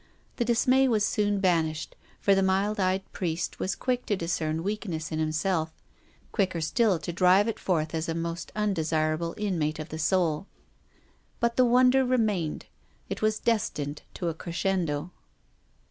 The dismay was soon banished, for the mild eyed priest was quick to discern weakness in himself, quicker still to drive it forth as a most undesirable inmate of the soul. But the wonder remained. It was destined to a crescendo.